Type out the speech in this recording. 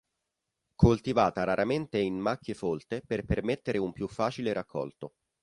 Coltivata raramente in macchie folte per permettere un più facile raccolto.